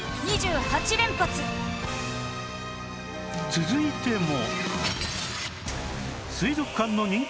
続いても